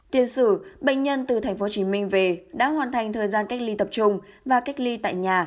tiền sử bệnh nhân từ tp hcm về đã hoàn thành thời gian cách ly tập trung và cách ly tại nhà